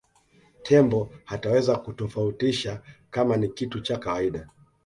tembo hataweza kutofautisha kama ni kitu cha kawaida